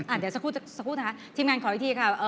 เดี๋ยวสักครู่นะคะทีมงานขออีกทีค่ะ